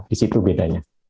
di situ bedanya